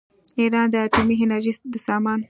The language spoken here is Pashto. ایران د اتومي انرژۍ د سازمان